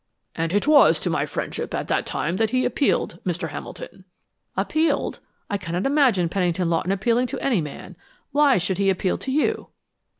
"And it was to my friendship at that time that he appealed, Mr. Hamilton." "Appealed? I cannot imagine Pennington Lawton appealing to any man. Why should he appeal to you?"